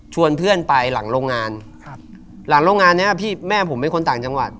ชวนเพื่อนไปหลังโรงงานหลังโรงงานนี้แม่ผมเป็นคนต่างจังหวัด